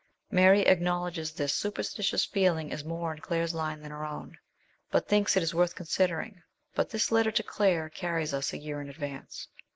Mary acknowledges this super stitious feeling is more in Claire's line than her own, but thinks it worth considering; but this letter to Claire carries us a year in advance.